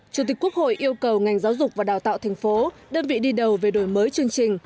chủ tịch quốc hội yêu cầu ngành giáo dục và đào tạo thành phố đơn vị đi đầu về đổi mới chương trình